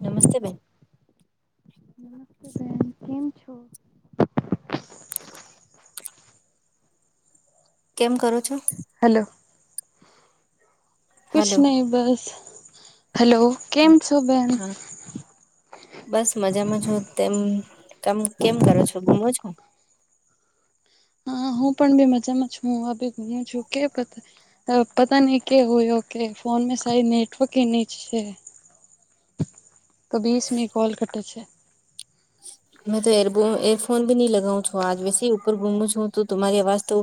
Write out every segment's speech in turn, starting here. નમસ્તે બેન. નમસ્તે બેન કેમ છો. કેમ કરો છો. હલો. કુછ હલો નહીં બસ હલો હા. બસ મજામાં છો તેમ કામ કેમ કરો છો ગુમો છો. હા હું પણ બી મજામાં છું હું આ બી ગુમું છું કે બ. પતા નહી કે હોયો કે ફોન મે સા નેટવર્ક એ ન છે. તો બીસમ કોલ કટ છે. મેં તો એર એરફોન નહી લગાવઉ છું આજ વેસે ઉપર ગુમું છું તો તુરી આવાજ તો.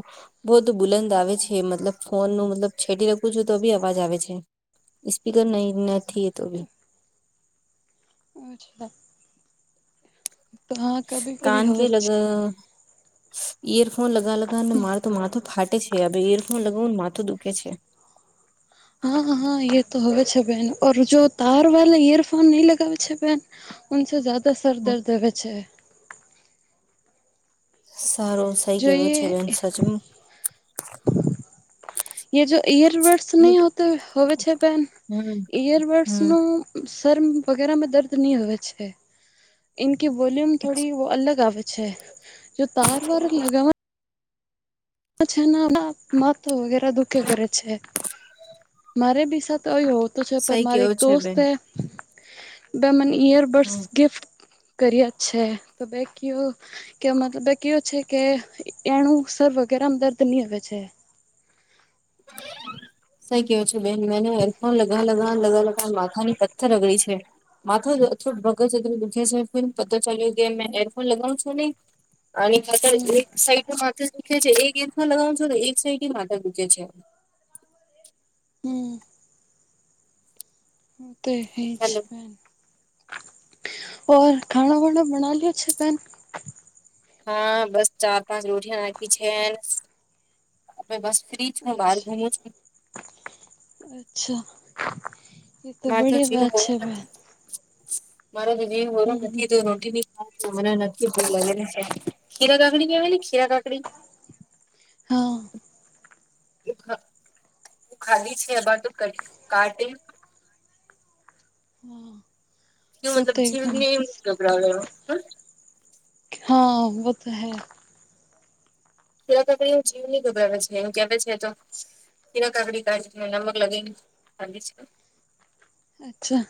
બહ તો બુલંદ આવે છે મતલબ ફોન નું મતલબ છેડી રાખું છું તો બી અવાજ આવે છે. સ્પીકર નહી નથી એ તો ભી. [unintelligible] તો હા કભી કાન કભી કે હોય લગ છે. ઇયરફોન લગા લગા માર તો માર તો ફાટે છે. હ હવે ઈયરફોન લગાવવાને માથું દુખે છે. હા હા હા એ તો હોવે છે બેહેન ઓઔર જો તાર વાા યરફોન નહી લગાવે છે બેન. સે જ્યાદા સ સર દર્દ હવે છે. સારો સઈ જો કેવો છે બેન સચમ. હ. જો ઇયરબર્ડસ હમ નહી હોવે છે ભન ઈયરબડ્સ હમ ન. શમ વગેરા માં દર્દ નહી હવે છે. નકી વોલ્યુમ થોડી વ અલગ આવવશૈ જો તાર વાાર. છે માથ વગેરે દુઃખે કરે છે. મારે બીસા તો હો તો છે પણ સહી મારી કેવો એક છે દોસ્ત બેન હ. બેમાં રબડસ હમ ગિફ્ટ. કરય છે તો બેકી કે મ બેકીયો છે કે એનું સર્વ ગરામ દર્દ ની આવેવે છે. [inaudible] કેો છો બેન મેને હપ લગા લગા લગા લગા માથાની પથ્થર રગડી છે. માથ થોડ ભગું દુખ્યા છે પ ચાલ્યો કે મેં એરફોન લગાવું છું નને અને માથર હમ્મ એક સાઈડ માથે દખ છે એક એક લગાવનું છો ને એક સાઈડ માથા દૂખ છે. હમ તે હ હેલો જવે ઓર ખાણા વણા બના લ છે ભેન હા બસ ચાર પાંચ રોટિયા નાખી છે. આપણે બસ ફ્રી છું બહાર અચ્છા ઘુમું છું. અચ્છા એતો મારે તો બડીી જીવ વાત હોરો છે ભાઈ નથી. મારો તો જે બોલો નથી તો રોટી ની મને નક્કી ભૂલ લાગેને ખીરા કાકડી કેવાલી ખીરા કાકડી હા. ખાલી છે એ બા ક્ટિ હમ. હું મતલબ જીવ ને એમ ગભડાવ લે હા વ તો હૈ કેેડક એ જીવ નની ગુભવે છે એું કેવા છે તો કીરા કકડી કા નમક લગાવનેી છે. અચ્છા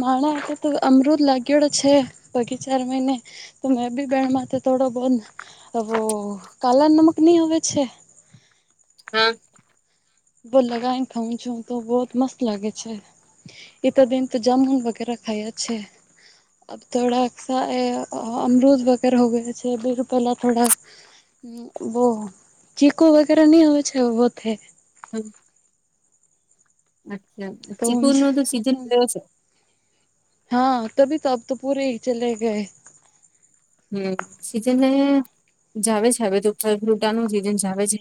માણા તો અમૃત લાગેલો છે બગીચાર મહિને તો મેં બી બેણમાં થોડો બ હ કાલા નમક નહી હવે છે. હમ બો લગાવને ખાઉં છું તો બહત મસ્ત લાગે છે. એત દિ તો જામુન વગેરે ખાાઈ છે. આબ થોડા સા એ અમરુદ વગેર હો ગયો છે બી પહેલા થોડા. હ બહ ચીકુ વગેરે નહી હો છે બતે હ અચ્છા ચિકુન નો તો સીઝન રહયો છે. હા તબી તોબ તો પૂરે હ ચલે ગય. હમ સીજના જાવ છે હવે તો ફલ ફ્રુટાનું સિઝન જાવ છે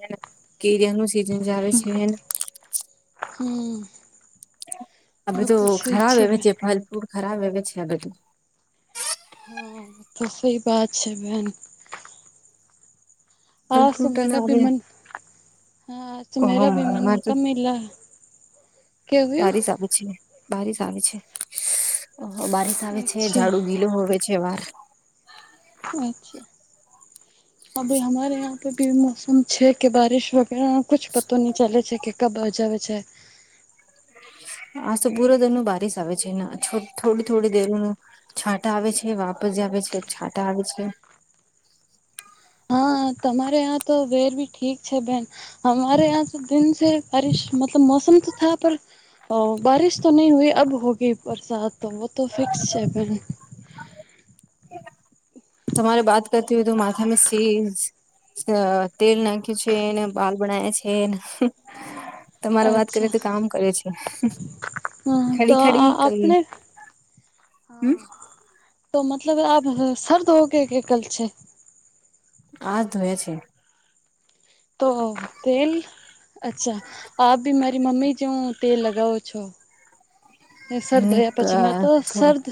કેરીિયાનું સીઝન જ આવે છે એ આ બધું ખરાબ આવે છે ફલ ફ્રૂટ ખરાબ આવે છે આ બધું. હા બ તો સહી બાત છે બેન. ફલ હા ફ્રૂટ ના સુુંમેરા આવે બીમન હા સુુંમેરા બીમન અમારે તો કબ મિલા હ બારિશ આવે છે બારિશ આવે છે બારીશ આવે છે ઝાડુ ગીલું હોવે. છે વાર. અચ્છા અભ હરે પે ભી મોસમ છે કે બારિશ વ કુછ પતો નહી ચાલે છે કે કબ અજ આવે છે આ તો પૂરો દર ન બારીિસ આવે છેને થોડી થોડી દરનું છાંટા આવે છે વાપસ જ આવે છે છાંટા આવે છે હા તમારે આ્યાં તો વેર ભી ઠીક છે બેન હમારે યાં તો દનસે બારિશ મતલબ મોસમ તો થ પર હ બારિશ તો નહી હોઈ અબ હોગઈ બરસાત તો વ તો ફિક્સ છે ભ તમારે બાત કરતી હોય તો માથામે સિઝ તેલ નાખ્યું છે ને બાલ બણાય છે તમારે વાત કરે અચ્છા તો કામ કરે છે હા તો ખડી ખડી કરી આપણે હા તો મતલબ આ સર્દ હોગ કે કલ છે આજ ધોયા છે તો તેભ અચ્છા આપ ભી મારી મમ્મી જ તેલ લગાવો છો સ સરદ ની યા પ્ચિમ તો સર્દ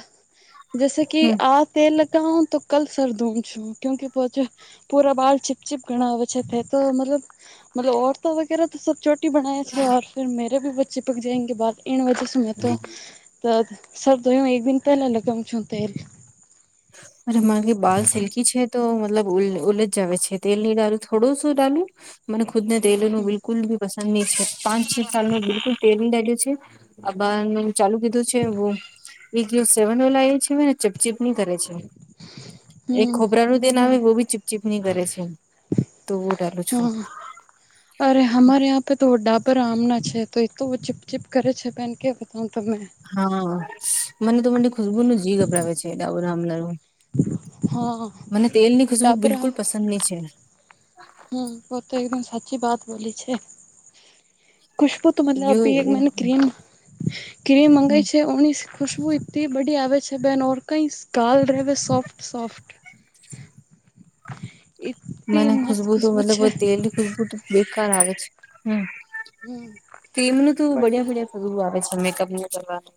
જૈસે કે હમ આ તેલ લગાઉ તો કલ સર દૂમ છું ક્યુંકે પહચ પૂરા બાળ છીપચીપ ઘણા અછતે તો મતલબ મતલ ઔરતો વગેરે તો સ ર બનાય છે ફર મેરે ભ બચ્ચે પક જાયંગે બા વજેય તો તો સર તું એક દિન તલાગમ છલ હમારી બાલ સિલ્કી છે તો મતલબ ઉલજ જ આવે છે તેલ નહી ડાલું થોડું શું ડાલું મને ખુદ ને તેલનું બિલકુલ બી પસંદ નહી છે પાંચ છ સાલ ન બિલકુલ તેલ દ્યું છે આબાર ન ચાલુ કીધું છે એવું એક સેવન ઓલા એ છે ને ચપચીપની કરે છે એક હમ ખોબરા નું તે ના ભી આવે બહ બી ચીપચીપ ની કરે છે તુંડાલું છું હા અરે હમારે યાં પે તો ડાબર આમના છે તો એ તો ચિપચિપ કરે છે પહેન કે બતાઉ ત મેં હા મને તો મને ખુશબુ ન જી ગભરાવે છે ડઉરામલ હા મને તેલ ની ખુશબુ ડાબર બિલકુલ પસંદ નહી છે હમ બ તો એકદમ સાચી વાત બોલી છે ખુશબુ તો યુ મતલબી એક મને ક્રીમ ક્રીમ મંગાવાય છે ઓણીસ ખુશબુ તિ બડી આવે છે બેનર કઈ ગાલ રહેવે સોફ્ટ સોફ્ટ એટલી મ મસ્ત ખુશબુ તો ખુશ્બુ મતલબ છે તેલ થ બેકાર આવે છે હમ હમ ક્રીમનું તું બટ બડ્યા બડ્યા ર આવે છે મેકઅપ ન કરવાનું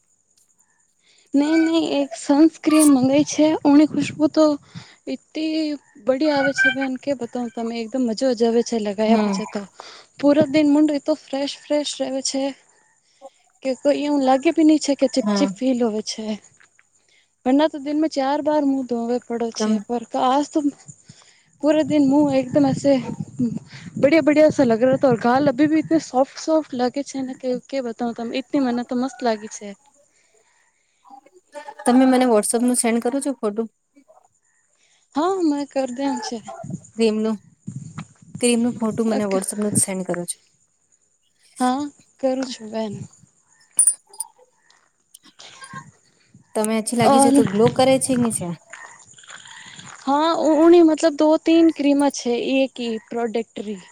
નહી નહી એક સનસ્ક્રીન મંગી છે ઓણી ખુશબુ તો ટલી બડી આવે છે બેન કે બતા તમે એકદમ મજાજ આવે છે છ લગયા હમ પછી તો પૂર દિન મુંડ એ તો ફ્રેશ ફ્રેશ રહે છે કે કોઈ એું લાગે ભી નહી છે કે હા. ચિપચિપ ફીલ હોવે છે વરના તો દિન મે ચાર બાર મુહ ધવે પડો તમ છે તો પૂરે દિન હું એકદમ હ બડિયા બડિયા સા લગ રહ હતા ગાલ અભી એ સોફ્ટ સોફ્ટ લાગે છે ને કે કે બતા ત એટલી મને તો મસ્ત લાગી છે તમે મને વોટ્સપ ન સેન્ડ કરો છો ફોટો હા મને કરી દે આમ છે ક્રીમ ન ક્રીમ ન ફોટું મને છે વોટ્સઅપ ન સેન્ડ કરો છો હા કરું છું બેન તમે અછી લાગી છે તો ઓર ગ્લો કરે છે છે હા ઉની મતલબ દો તીન ક્રીમત છે એક પ્રોડક્ટ રી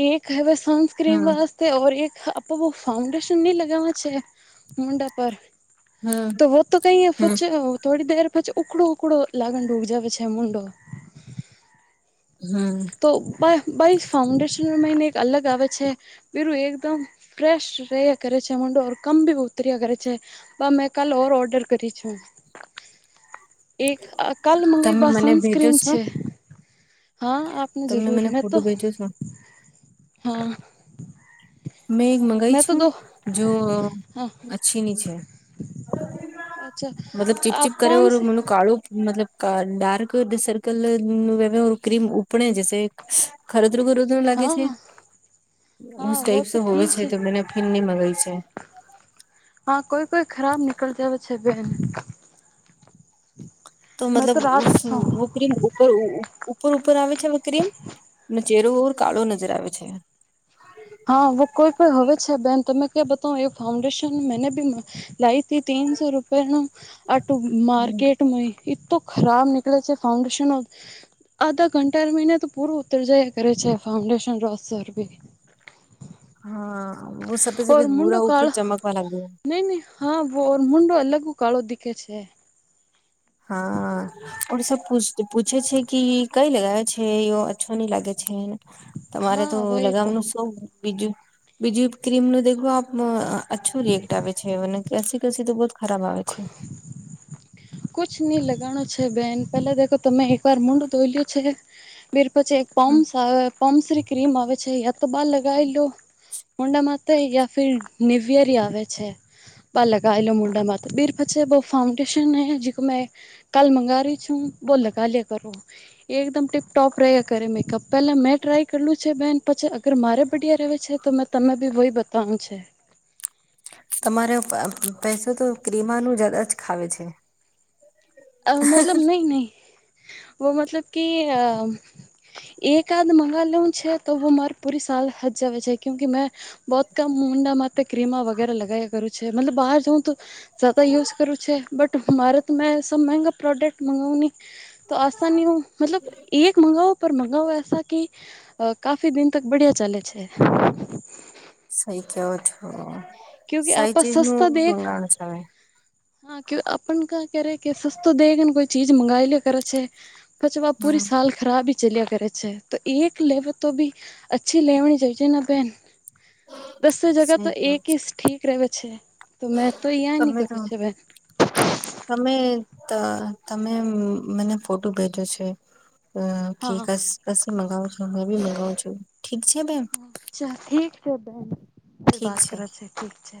એક હવેસ ક્રીમ હમ વાતેઔર એક આપો ફાઉન્ડેશન ન લગવા છે મુુંડા પર હમ તો વ તો કઈ હમ પી થોડી દેર પછી ઉકડો ઉકડો લાગણ ડૂગ જાવ પછા મુુંડો હમ તો બા બાઈક ફાઉન્ડેશન મહિને એક અલગ આવે છે. બીરુ એકદમ ફ્રેશ ર્યા કરે છે મુડો કમ ભી ઉતર્યા કરે છે. હ મેં કાલ ઓર ઓર્ડર કરી છે. એક કાલ તમે મંગેવા મને ભેજો સનસ્ક્રીન છો? છે. હા આપને તમે જરૂર મને તો ફોટું ભેજો છો? હા. મેં એક મંગાઈ મેં તો છું દો જો હા અચ્છીની છે. અચ્છા મતલબ ચિપ આપ ચિપ કરે કોણ ઓ છે મુ કાળુ મતલબ ડાર્ક સર્કલ ક્રીમ ઉપણે જ સે ખર તો ઘણું [unintelligible] મ લાગે છે હા હા વો ટાઈપ તો હોવે ઠીક છે તો મેને ફિન નની મગાવી છે [unintelligible] હા કોઈ કોઈ ખરાબ નીકળ જ હો છે બેન. તો મેં મતલબ રાત ઉસ વો ક્રીમ ઉપર ઉપર ઉપર આવે છે હવે ક્રીમ અને ચહેરોઓર કાળો નજર આવે છે. હા કોઈ કોઈ હવે છે બેન તમે ક્યા બતાવ એ ફાઉન્ડેશન મેને બી લઇથી તીનસો રૂપિયા નું આ ટું માર્કેટ એક તો ખરાબ નીકળે છે ફાઉન્ડેશન ઓફ આધા ઘંટા મહિને તો પૂરું ઉતર જાય કરે છે ફાઉન્ડેશન રોસર ભી હા વ સફેદ સફેદ ભૂરા ઉપર ચમકવા લાગ્યો. નઈ નઈ હા વો મુડો અલગ કાળો દીખે છે. હા ઓર સ પૂછ પૂછે છે કે કઈ લગાવે છે એ અ્છો નઈ લાગે છે તમારે હા તો હવે એ તો લગાવવાનું શો બીજું બીજું ક્રીમ નું દેખો આપ અ્છું રિસલ્ટ આવે છે મને કે હસી કસી તો બ ખરાબ આવે છે. કુછ નહી લગાણું છે બેન પેલા દેખો તમે એક વાર મુંડુ ધોઈલ્યું છે. બ પછી એક પમ્સ આવે પમ્સરી ક્રીમ આવે છે. તો બહાર લગાવી લો મોંડા મા થઈરી યા ફિર નિવયરી આવે છે પા લગાયલો મુંડા મા બીર પછ બ ફાઉડેશન હે. જે કો મેં કાલ મંગાવ ર છ હું વો લાગલિયા કરો. એ એકદમ ટીપટોપ રહ્યા કરે મેકઅપ પેલા મેં ટ્રાય કરલું છે બેન પછી અગર મારે બડિયા રહે છે તો મેં તમે બી હોય બતાવનું છે. તમારે પૈસો તો ક્રિમાનું જદા જ ખાવે છે. અ મતલબ નહી નહી વ મતલબ કે અ એકાદ મંગાવ લેવું છે તોું મારે પૂરી સાલ હચ જવે છે કું કે મેં બહત કમ મુંડામાં ક્ર્રીમા વગેરે લગાવયા કરું છે મતલબ બહાર જઉું તો જ્યાદા યુઝ કરું છે બટ મારે તો મેં મંગા પ્રોડક્ટ મંગાવ ને તો આસની હો મતલબ એક મંગાઓ. મંગઓ એસા કે કાફી દિન તક બઢિયા ચાલે છે સહી કેવ છો સહી ચીજ નું મંગાવણું છે હવે. હા કે આપને કા કે કે સસ્તો દેગન કોઈ ચીજ મંગાઈ લે કરાચે. પછ હમ પૂરી સ ખરાબ હી ચલ્યા કરે છે તો એક લેવ તો ભી અચ્છી લેવણી જ છે ના બેન દસો જગા સહી તો કેવો એક છો ઠીક રેવે છે. તો મેં તો અહં નહી તમે તો કરું છે. તમે તમે મને ફોટો ભેજો છે. હા કે કી મગાવો છો હ બી મગાવ છું ઠીક છે બેન. હ્છા ઠીક છે બેન ફેર વાત કરે છે ઠીક છે.